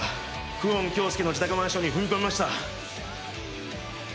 久遠京介の自宅マンションに踏み込みました。